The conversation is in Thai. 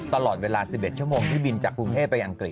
ตลอดเวลา๑๑ชั่วโมงที่บินจากกรุงเทพไปอังกฤษ